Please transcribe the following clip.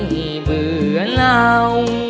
เหมือนเรา